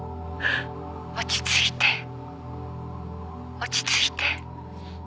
「落ち着いて」「落ち着いて」